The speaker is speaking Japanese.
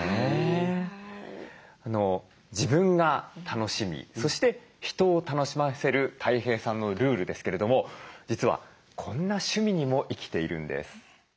自分が楽しみそして人を楽しませるたい平さんのルールですけれども実はこんな趣味にも生きているんです。